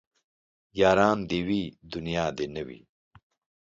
ياران دي وي دونيا دي نه وي